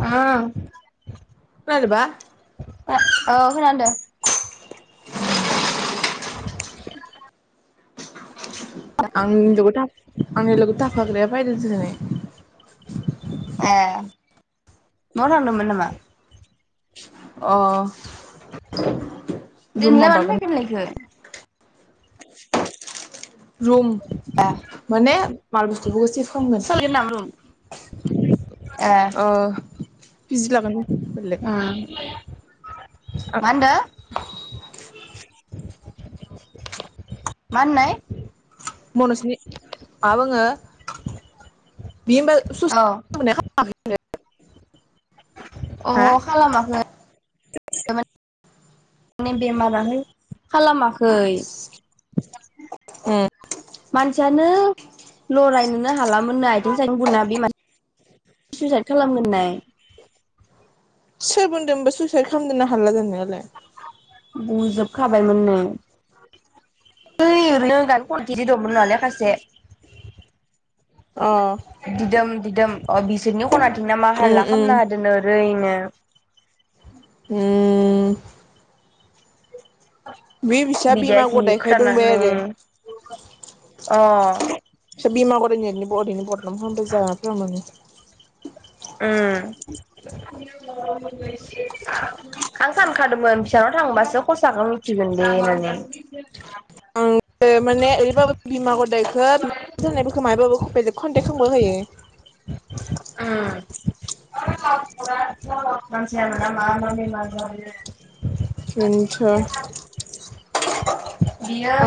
उम खोनादोबा ओ औ खोनादो। [inaudible] आंनि [unintelligible] आंनि लोगो थाफाग्राया फायदो दिनै। ए न'आव थांदोंमोन नामा? अ रुम दिनलाय माननो माबागोन फैदोमोन इखो? रुम माने माल बुस्थुखौ से खालामगोन सोलायगोन नामा रुम ए बिजि लागोन बेलेग। उम मा होनदों [inaudible] मा होन्नाय? मनजनि आ बुङो बि होनबा सु द अ खालामाखै [inaudible] मानि बेमाराहाय खालामा गखै उम मानसियानो लरायनोनो हालामोननो आथिं सायं बुरना बे मानसि सुइसाइद खालामगोन नाय सोर बुनन्दोंबा सुइसाइद खालामदोंरनो हाला जानाय नालाय बुजोबखाबायमोननो ओ ओरैनो गान खनगिदिर दंमोन खासे अ दिदोम बिसोरनि खना [unintelligible] उम उम उम होदोनो ओरैनो। [inaudible] [unintelligible] बे बिसा बिदाया बिमा जि गदायखाय दंबाय आरो। खोथानानै अ [unintelligible] उम आं सानखादोंमोन फिसानाव थांबासो खसाखौ मिथिगोन दे होननानै। ए माने एरैबाबो बिमा गदाय। [unintelligible] [unintelligible] [unintelligible]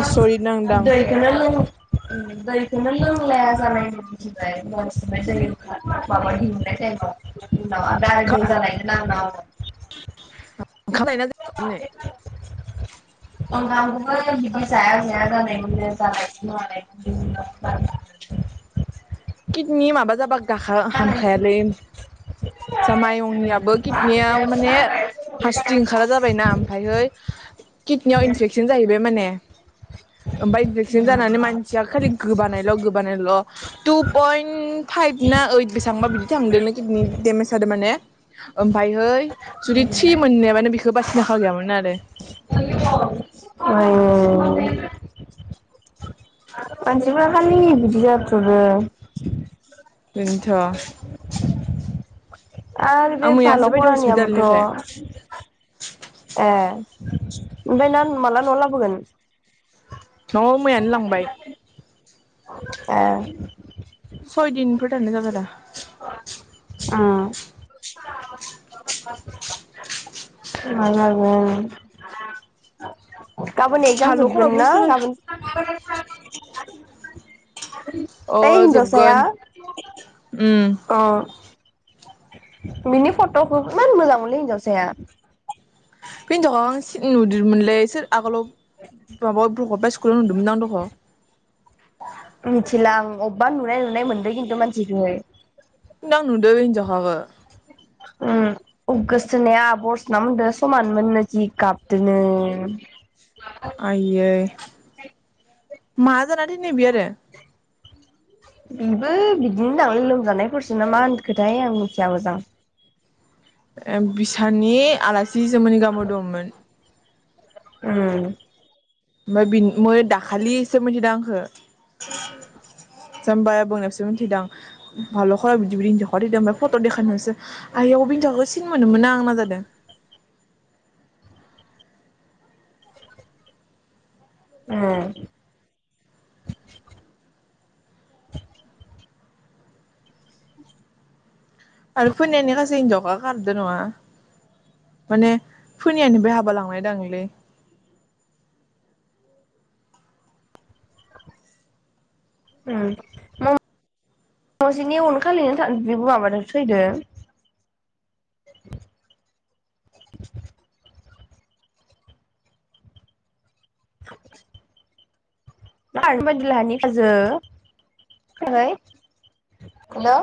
आसरित नांदां [unintelligible] [unintelligible] [unintelligible] किदनि माबा जाबा गाखा हामखायालै। जा माइंनियाबो किडनियाव माने हासदै ओंखारा जाबायना ओमफ्रायहोय किडनियाव इनफेकसन जाहैबाय माने। ओमफाय उम इनफेक्सिन्ट जानानै मानसिया खालि गोबानायल' गोबानायल' टु पइन्ट फाइभ ना ओइट बेसेबांबा बिदि थांदोनो किदनि सादो माने ओमफायहै जुदि थ्रि मोननायबानो बेखौ बासिनो आखा गैयामोन आरो। उम मानसिफ्रा खालि बिदि जाथ्रदो। बेनोथ'। आर बे भाल' मैयासो बायदों खरानिआबोथ'। हस्पिटालनिफ्राय ए। ओमफाय नान माला न'आव लाबोगोन? न'आव मैयानो लांबाय। ए। सय दिनफोर थांनाय [unintelligible] उम। मा जागोन? गाबोन एक्जाम जोबगोन साल'खरावबो ना? सोर गाबोन [inaudible] अ बै हिनजावसाया जोबगोन उम अ बिनि फट'खौ इमान मोजां मोनो हिनजावसाया। हिनजावखाखासे नुदोमोनलै सोर आगोलाव माबा [unintelligible] स्कुलावनो नुदोंमोन दां दख'। मिथिला आं अबेबा नुनाय नुनाय मोनदों खिन्थु मानसिखौ। सिगां नुदो बे हिनजावखाखो उम गोसो थोनाया आब' अरसना मोनदो समान मोन नो जि गाबदोनो। आयै मा जाना थैनाय बि आरो? इबो बिदिनो दां लै लोमजानायफोरसो ना मा होनखोथाय आंबो मिथिया मोजां ए बिसानि आलासि जि जोमोनि गामियाव दंमोन। उम ओमफ्राय बिनि मि दाखालिसो मोनथिदों आंखौ जामबाय आब'नायावसो मोनथिदों आं बाल'खआव बिदि हिनजाव खा थैदों ओमफ्राय फट' देखायनायावसो आइयाव बि हिनजावखौ सिनि मोनो मोन आं जादो। ए आरो फनियानि सासे हिनजावखा खारदो नङा माने फनियानिफ्राय हाबा लांनाय दांलै। उम [unintelligible] नि उनखालि बेबो माबादो थैदो। [unintelligible] हेलौ